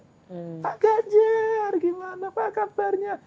pak ganjar gimana pak kabarnya